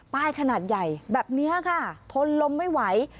ขนาดใหญ่แบบนี้ค่ะทนลมไม่ไหว